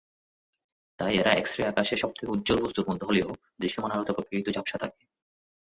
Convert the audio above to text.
তাই এরা এক্স-রে আকাশে সবথেকে উজ্জ্বল বস্তুর মধ্যে হলেও, দৃশ্যমান আলোতে অপেক্ষাকৃত ঝাপসা থাকে।